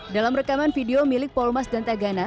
dalam rekaman video milik polmas dan tagana